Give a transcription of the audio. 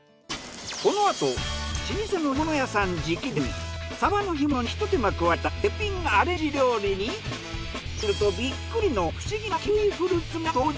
このあと老舗の干物屋さん直伝サバの干物にひと手間加えた絶品アレンジ料理に切ってみるとビックリの不思議なキウイフルーツが登場。